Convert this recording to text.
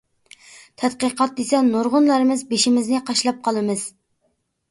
تەتقىقات دېسە، نۇرغۇنلىرىمىز بېشىمىزنى قاشلاپ قالىمىز.